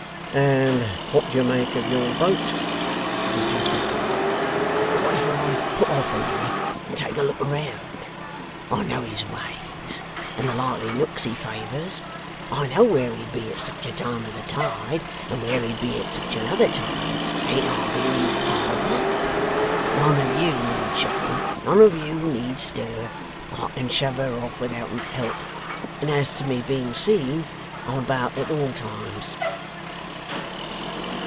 'And what do you make of your boat?' said Mr Inspector. 'What if I put off in her and take a look round? I know his ways, and the likely nooks he favours. I know where he'd be at such a time of the tide, and where he'd be at such another time. Ain't I been his pardner? None of you need show. None of you need stir. I can shove her off without help; and as to me being seen, I'm about at all times.